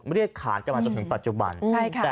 ไม่ได้คานกำนานป๊อจนถึงปัจจุบันใช่ค่ะ